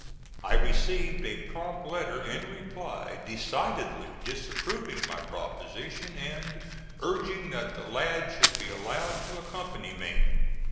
I received a prompt letter in reply decidedly disapproving my proposition, and urging that the lad should be allowed to accompany me.